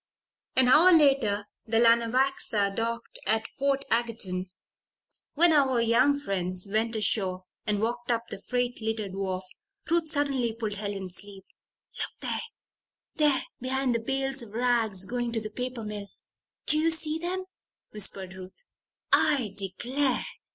An hour later the Lanawaxa docked at Portageton. When our young friends went ashore and walked up the freight littered wharf, Ruth suddenly pulled Helen's sleeve. "Look there! There behind the bales of rags going to the paper mill. Do you see them?" whispered Ruth. "I declare!"